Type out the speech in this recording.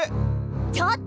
ちょっと！